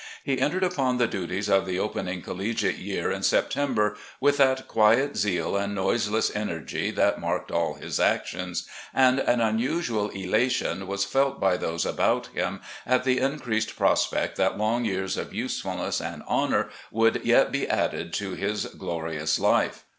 He entered upon the duties of the opening collegiate year in September with that quiet zeal and noiseless energy that marked all his actions, and an unusual elation was felt by those about him at the increased prospect that long years of usefulness and honour would yet be added to his glorious life.